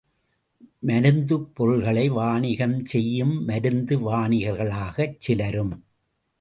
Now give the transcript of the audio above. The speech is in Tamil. மருந்துப் பொருள்களை வாணிகம் செய்யும் மருந்து வாணிகர்களாகச் சிலரும்.